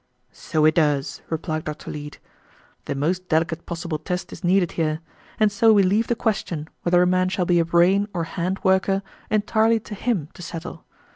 "So it does," replied Dr. Leete; "the most delicate possible test is needed here, and so we leave the question whether a man shall be a brain or hand worker entirely to him to settle.